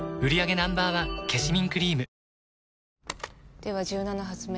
では１７発目。